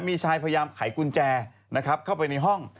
มีชายพยายามไขกุญแจนะครับเข้าไปในห้อง